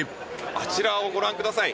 あちらをご覧ください。